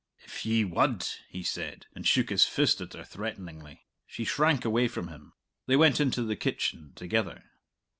"If ye wud " he said, and shook his fist at her threateningly. She shrank away from him. They went into the kitchen together.